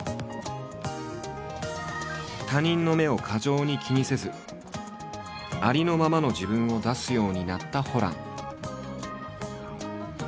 他人の目を過剰に気にせずありのままの自分を出すようになったホラン。